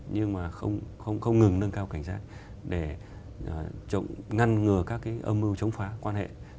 nhưng mà không ngừng nâng cao cảnh giác để ngăn ngừa các cái âm mưu chống phá quan hệ